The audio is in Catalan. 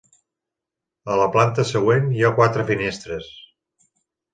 A la planta següent, hi ha quatre finestres.